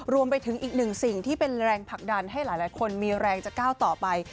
รวมไปถึงอีกหนึ่งสิ่งที่เป็นแรงผลักดันให้หลายคนมีแรงจะก้าวต่อไป